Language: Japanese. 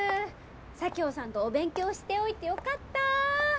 佐京さんとお勉強しておいてよかったー